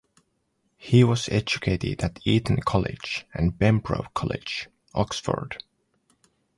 He was educated at Eton College and Pembroke College, Oxford.